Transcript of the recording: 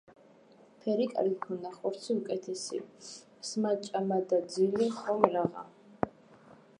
ფერი კარგი ქონდა, ხორცი უკეთესი სმა-ჭამა და ძილი ხომ - რაღა ....